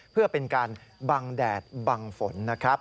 เพื่อเป็นการบังแดดบังฝนนะครับ